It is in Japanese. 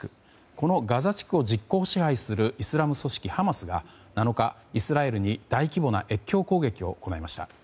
このガザ地区を実効支配するイスラム組織ハマスが７日、イスラエルに大規模な越境攻撃を行いました。